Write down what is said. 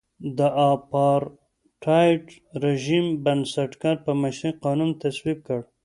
د اپارټایډ رژیم بنسټګر په مشرۍ قانون تصویب کړ.